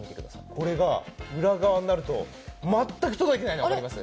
これが裏側になると全く届いてないのわかります？